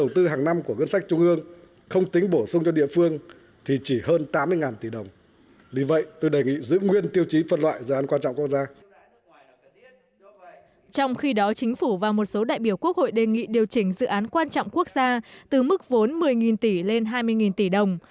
trong khi đó chính phủ và một số đại biểu quốc hội đề nghị điều chỉnh dự án quan trọng quốc gia từ mức vốn một mươi tỷ lên hai mươi tỷ đồng